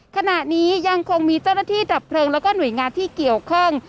ขณะนี้ยังคงมีเจ้าหน้าที่ดับเพลิงแล้วก็หน่วยงานที่เกี่ยวข้อง